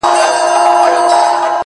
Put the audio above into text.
ستا د خــولې خـبري يــې زده كړيدي;